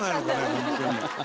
本当に。